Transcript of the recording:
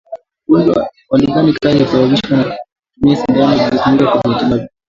Ugonjwa wa ndigana kali husababishwa na kutumia sindano zilizotumika kwa matibabu